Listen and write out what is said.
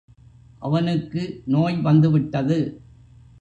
அவனுக்கு நோய் வந்துவிட்டது.